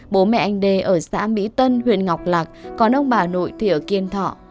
bố mẹ anh đê ở xã mỹ tân huyện ngọc lạc còn ông bà nội thì ở kiên thọ